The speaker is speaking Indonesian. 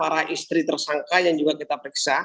para istri tersangka yang juga kita periksa